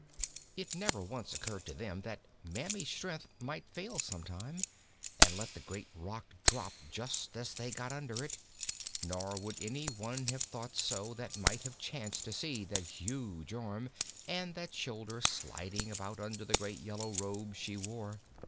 "] It never once occurred to them that Mammy's strength might fail sometime, and let the great rock drop just as they got under it; nor would any one have thought so that might have chanced to see that huge arm and that shoulder sliding about under the great yellow robe she wore.